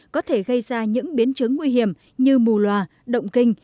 có thể gây ra những biến chứng nguy hiểm như mù loà động kinh